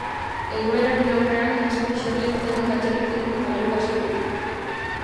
Egoeraren aurrean, asko eserlekuetatik altxatu ziren, eta oihuka hasi ziren.